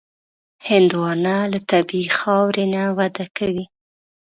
هندوانه له طبیعي خاورې نه وده کوي.